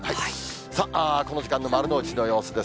さあ、この時間の丸の内の様子です。